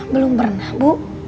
belum pernah bu